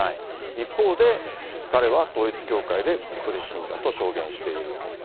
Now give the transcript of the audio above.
一方で、彼は統一教会で苦しんだと証言している。